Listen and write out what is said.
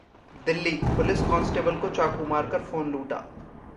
Delhi police constable को चाकू मार कर फोन लूटा